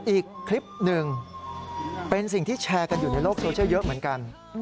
อีกคลิปหนึ่งเป็นสิ่งที่แชร์กันอยู่ในโลกโซเชียลเยอะเหมือนกัน